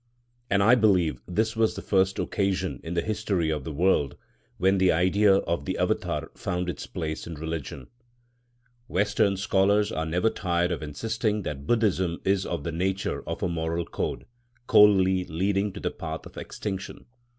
And I believe this was the first occasion in the history of the world when the idea of the Avatâr found its place in religion. Western scholars are never tired of insisting that Buddhism is of the nature of a moral code, coldly leading to the path of extinction.